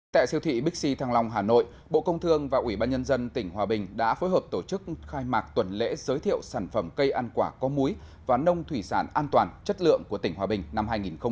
tại siêu thị bixi thăng long hà nội bộ công thương và ủy ban nhân dân tỉnh hòa bình đã phối hợp tổ chức khai mạc tuần lễ giới thiệu sản phẩm cây ăn quả có múi và nông thủy sản an toàn chất lượng của tỉnh hòa bình năm hai nghìn một mươi chín